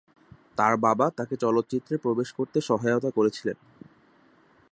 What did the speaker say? তার বাবা তাকে চলচ্চিত্রে প্রবেশ করতে সহায়তা করেছিলেন।